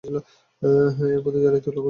এর মধ্যে জালিয়াতির লক্ষণ সুস্পষ্ট।